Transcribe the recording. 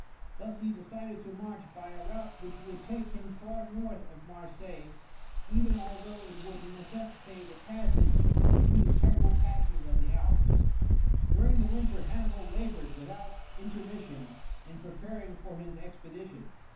Thus he decided to march by a route which would take him far north of Marseilles, even although it would necessitate a passage through the terrible passes of the Alps. During the winter Hannibal laboured without intermission in preparing for his expedition.